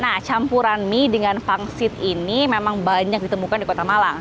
nah campuran mie dengan pangsit ini memang banyak ditemukan di kota malang